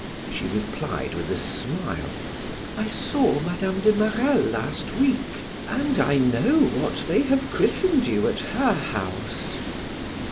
She replied with a smile: "I saw Mme. de Marelle last week and I know what they have christened you at her house."